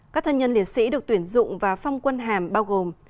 các thân nhân liệt sĩ được tuyển dụng và phong quân hàm bao gồm